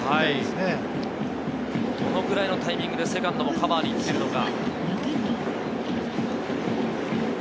どのぐらいのタイミングでセカンドもカバーに行っているのか。